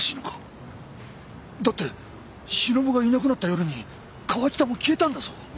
だって忍がいなくなった夜に川喜多も消えたんだぞ。